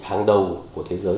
hàng đầu của thế giới